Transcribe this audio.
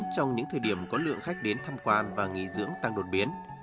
trong những thời điểm có lượng khách đến thăm quan và nghỉ dưỡng tăng đột biến